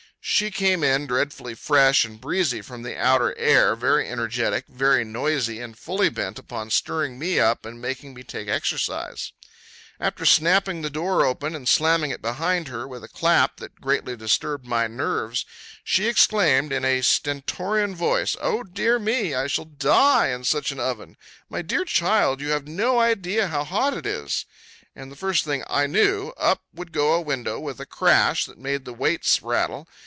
She came in dreadfully fresh and breezy from the outer air, very energetic, very noisy, and fully bent upon stirring me up and making me take exercise. After snapping the door open and slamming it behind her with a clap that greatly disturbed my nerves, she exclaimed in a stentorian voice, "O dear me! I shall die in such an oven! My dear child, you have no idea how hot it is!" And the first thing I knew, up would go a window with a crash that made the weights rattle.